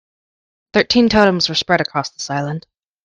Thirteen totems were spread across this island.